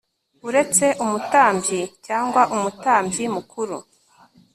uretse umutambyi cyangwa umutambyi mukuru